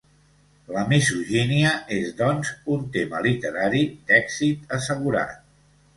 La misogínia és, doncs, un tema literari d'èxit assegurat.